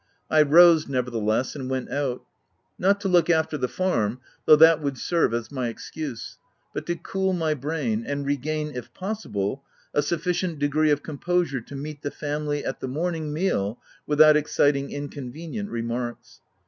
I rose nevertheless, and went out ; not to look after the farm, though that would serve as my ex cuse, but to cool my brain, and regain, if pos sible, a sufficient degree of composure to meet the family at the morning meal without exciting inconvenient remarks.